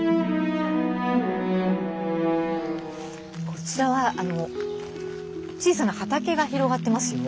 こちらは小さな畑が広がってますよ。